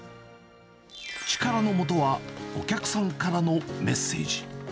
力のもとは、お客さんからのメッセージ。